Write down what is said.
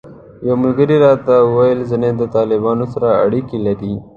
یو ملګري راته وویل ځینې د طالبانو سره اړیکې لري.